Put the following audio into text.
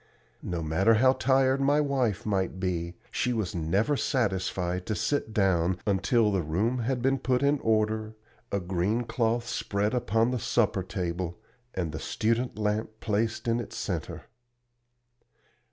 No matter how tired my wife might be, she was never satisfied to sit down until the room had been put in order, a green cloth spread upon the supper table and the student lamp placed in its centre.